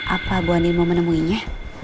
apa bu andien mau menemuinya